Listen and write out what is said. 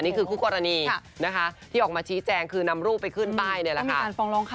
คู่กรณีนะคะที่ออกมาชี้แจงคือนำรูปไปขึ้นป้ายนี่แหละค่ะ